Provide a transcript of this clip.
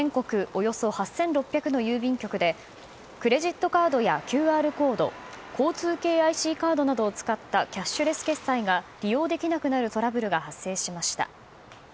およそ８６００の郵便局でクレジットカードやＱＲコード交通系ＩＣカードなどを使ったキャッシュレス決済が利用できなくなるトラブルが発生しました。